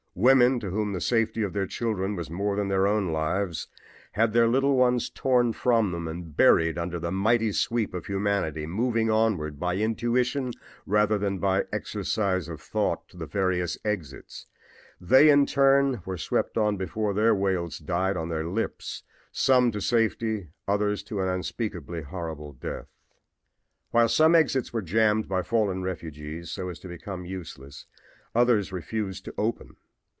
Women to whom the safety of their children was more than their own lives had their little ones torn from them and buried under the mighty sweep of humanity, moving onward by intuition rather than through exercise of thought to the various exits. They in turn were swept on before their wails died on their lips some to safety, others to an unspeakably horrible death. While some exits were jammed by fallen refugees so as to become useless, others refused to open.